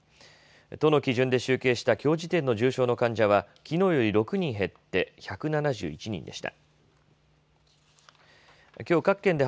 都の基準で集計したきょう時点の重症の患者は、きのうより６人減って１７１人でした。